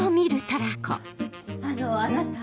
あのあなた。